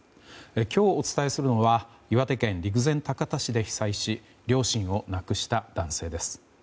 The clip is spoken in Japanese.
今日お伝えするのは岩手県陸前高田市で被災し両親を亡くした男性です。